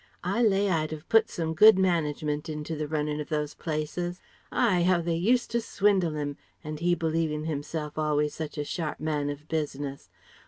I lay I'd have put some good management into the runnin' of those places. Aïe! How they used to swindle 'im, and he believing himself always such a sharp man of business!